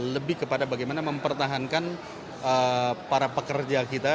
lebih kepada bagaimana mempertahankan para pekerja kita